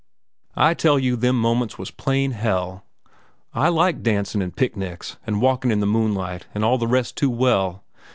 I tell you them moments was plain hell. I like dancin' an' picnics, an' walking in the moonlight, an' all the rest too well.